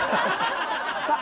さあ